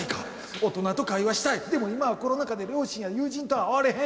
大人と会話したい、でも今はコロナ禍で両親や友人と会われへん。